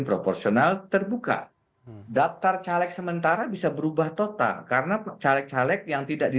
profesional terbuka daftar caleg sementara bisa berubah total karena pecah lec yang tidak di